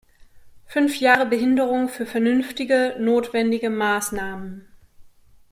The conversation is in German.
Fünf Jahre Behinderung für vernünftige, notwendige Maßnahmen!